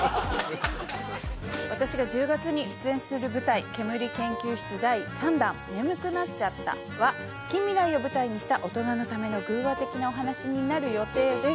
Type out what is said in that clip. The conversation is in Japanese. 私が１０月に出演する舞台ケムリ研究室第３弾「眠くなっちゃった」は近未来を舞台にした大人のための寓話的なお話になる予定です